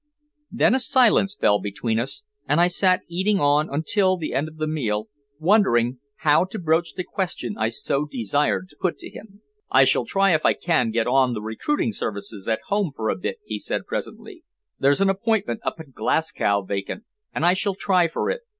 Then a silence fell between us, and I sat eating on until the end of the meal, wondering how to broach the question I so desired to put to him. "I shall try if I can get on recruiting service at home for a bit," he said presently. "There's an appointment up in Glasgow vacant, and I shall try for it.